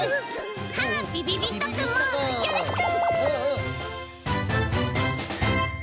びびびっとくんもよろしく！